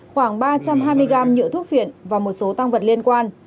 khoảng ba trăm hai mươi gam nhựa thuốc phiện và một số tăng vật liên quan